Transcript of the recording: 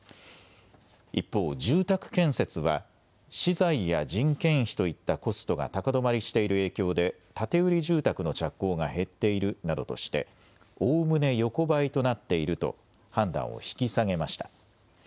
一方、住宅建設は資材や人件費といったコストが高止まりしている影響で建て売り住宅の着工が減っているなどとしておおむね横ばいとなっていると判断を引き下げました。